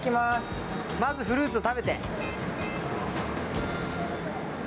まず、フルーツ食べて。